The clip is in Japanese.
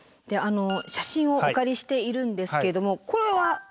写真をお借りしているんですけれどもこれは？